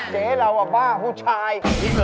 เจ๊เราบ้าผู้ชาย